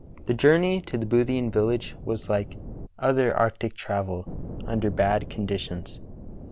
The journey to the Boothian village was, like other arctic travel, under bad conditions.